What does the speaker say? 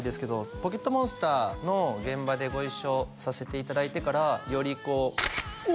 「ポケットモンスター」の現場でご一緒させていただいてからよりこうおお！